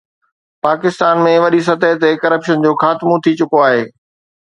پاڪستان ۾ وڏي سطح تي ڪرپشن جو خاتمو ٿي چڪو آهي.